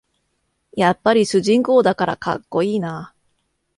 やっぱり主人公だからかっこいいな